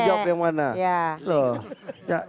jawab dulu yang cewek